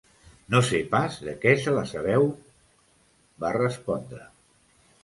-No sé pas de què se les haveu…- va respondre